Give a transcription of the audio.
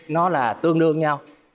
nó là tương đương nhau